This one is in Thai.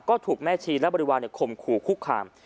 ก็ถูกแม่ชีและบริวารข่มขู่คุกคาม